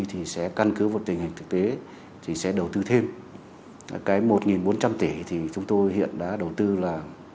thì sẽ căn cứ vào tình hình thực tế thì sẽ đầu tư thêm cái một bốn trăm linh tỷ thì chúng tôi hiện đã đầu tư là